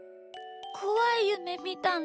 こわいゆめみたんだ。